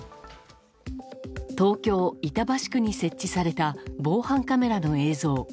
東京・板橋区に設置された防犯カメラの映像。